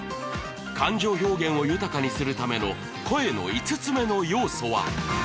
感情表現を豊かにするための声の５つ目の要素は？